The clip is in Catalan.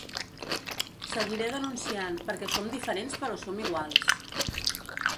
Seguiré denunciant perquè som diferents però som iguals!